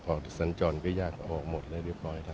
สัญจรก็ยากออกหมดแล้วเรียบร้อยครับ